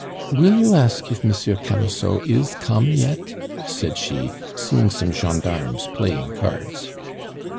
"Will you ask if Monsieur Camusot is come yet?" said she, seeing some gendarmes playing cards.